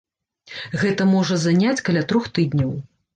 Гэта можа заняць каля трох тыдняў.